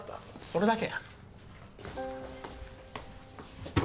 それだけや。